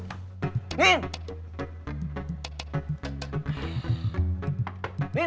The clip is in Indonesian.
nen bangun l russian